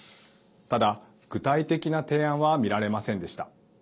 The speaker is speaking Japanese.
ただ、具体的な提案はみられませんでした。